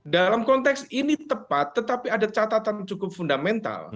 dalam konteks ini tepat tetapi ada catatan cukup fundamental